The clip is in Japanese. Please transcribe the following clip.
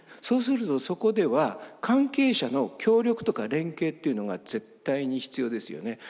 そうするとそこでは関係者の協力とか連携っていうのが絶対に必要ですよね。